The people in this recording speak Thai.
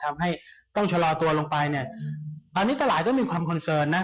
ทำให้ต้องชะลอตัวลงไปเนี่ยตอนนี้ตลาดต้องมีความคอนเสิร์ตนะ